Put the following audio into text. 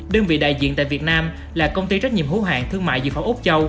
đơn vị đại diện tại việt nam là công ty trách nhiệm hữu hạng thương mại dược phẩm úc châu